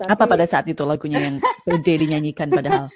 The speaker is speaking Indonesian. apa pada saat itu lagunya yang berdiri nyanyikan padahal